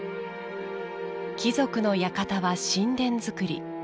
貴族の館は寝殿造り。